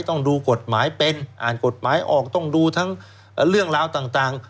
ต้องดูกฎหมายเป็นอ่านกฎหมายออกต้องดูทั้งเรื่องราวต่าง